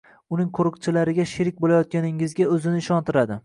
uning qo‘rqinchlariga sherik bo‘layotganligingizga o‘zini ishontiradi.